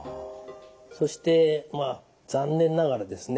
そして残念ながらですね